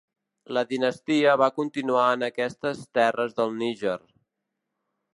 La dinastia va continuar en aquestes terres del Níger.